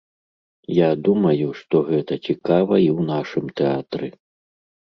Я думаю, што гэта цікава і ў нашым тэатры.